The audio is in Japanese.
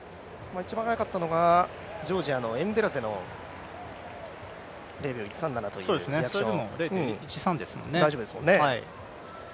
一番速かったのがジョージアのエンデラゼのリアクション。